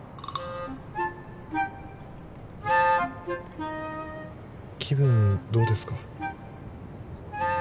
うん気分どうですか？